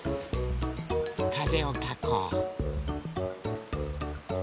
かぜをかこう。